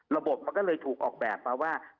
ระบบมันก็เลยถูกออกแบบมาว่า